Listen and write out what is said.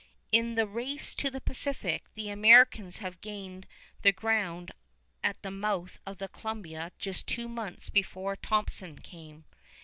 In the race to the Pacific the Americans have gained the ground at the mouth of the Columbia just two months before Thompson came.